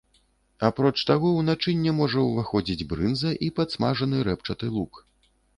Апроч таго ў начынне можа ўваходзіць брынза і падсмажаны рэпчаты лук.